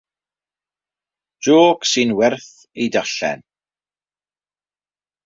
Jôc sy'n werth ei darllen.